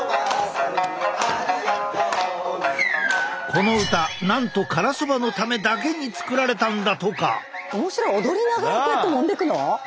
この歌なんとからそばのためだけに作られたんだとか！